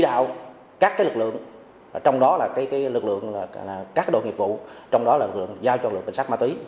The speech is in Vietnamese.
tạo các lực lượng trong đó là các đội nghiệp vụ trong đó là lực lượng giao cho lực lượng cảnh sát ma túy